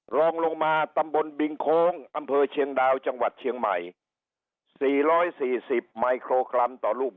ลองลงมาตำบลบิงโค้งอำเภอเชียงดาวจังหวัดเชียงใหม่